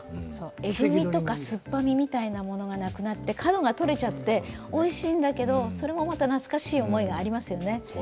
えぐみとか酸っぱさとかがなくなって角がとれちゃって、おいしいんだけど、それも懐かしい思いがありますよね。